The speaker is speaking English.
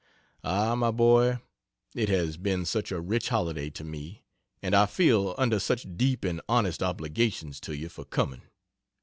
Ah, my boy! it has been such a rich holiday to me, and I feel under such deep and honest obligations to you for coming.